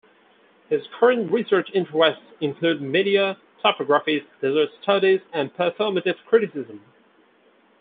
His current research interests include media topographies, desert studies, and performative criticism.